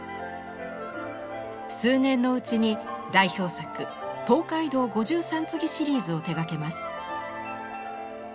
数年のうちに代表作「東海道五拾三次」シリーズを手がけます。